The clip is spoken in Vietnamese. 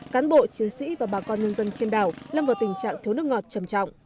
cán bộ chiến sĩ và bà con nhân dân trên đảo lâm vào tình trạng thiếu nước ngọt trầm trọng